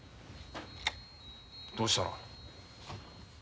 どうしたの？